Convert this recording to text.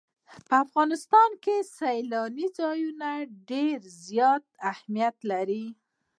په افغانستان کې سیلاني ځایونه ډېر زیات اهمیت لري.